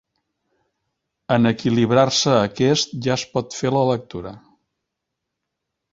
En equilibrar-se aquest ja es pot fer la lectura.